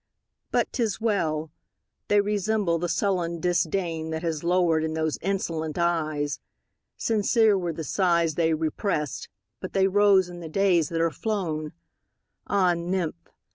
But 't is well!—they resemble the sullen disdainThat has lowered in those insolent eyes. Sincere were the sighs they represt, But they rose in the days that are flown! Ah, nymph!